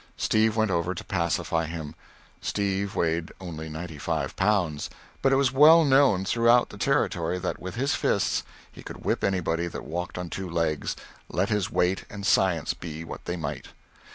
Steve went over to pacify him. Steve weighed only ninety five pounds, but it was well known throughout the territory that with his fists he could whip anybody that walked on two legs, let his weight and science be what they might.